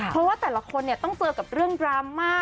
เพราะว่าแต่ละคนเนี่ยต้องเจอกับเรื่องดราม่า